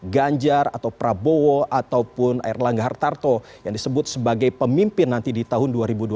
ganjar atau prabowo ataupun erlangga hartarto yang disebut sebagai pemimpin nanti di tahun dua ribu dua puluh empat